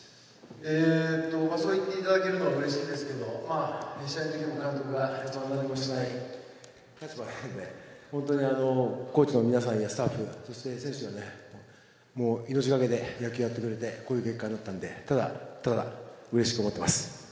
そう言っていただけるのはうれしいんですけれども、試合では監督は何もしない立場なので、本当にコーチの皆さんやスタッフ、そして選手、もう命懸けで野球やってくれて、こういう結果になったんで、ただ、ただ、うれしく思ってます。